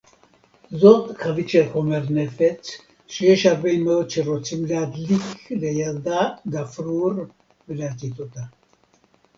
זאת חבית של חומר נפץ שיש הרבה מאוד שרוצים להדליק לידה גפרור ולהצית אותה